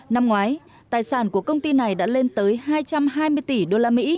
năm ngoái tài sản của công ty này đã lên tới hai trăm hai mươi tỷ usd